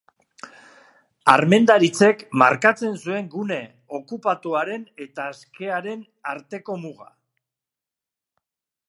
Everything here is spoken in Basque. Armendaritzek markatzen zuen gune okupatuaren eta askearen arteko muga.